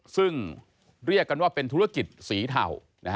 ซึ่งเรียกกันว่าเป็นธุรกิจสีเทา